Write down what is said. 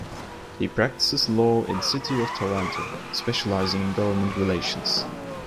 He practices law in the city of Toronto, specializing in government relations.